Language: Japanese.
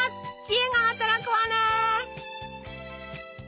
知恵が働くわね！